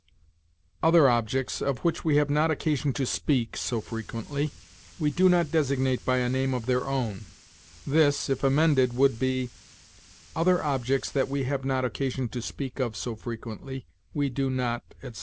"'Other objects, of which we have not occasion to speak so frequently, we do not designate by a name of their own.' This, if amended, would be: 'other objects that we have not occasion to speak of so frequently, we do not,' etc.